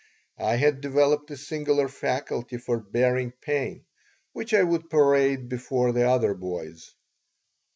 I had developed a singular faculty for bearing pain, which I would parade before the other boys.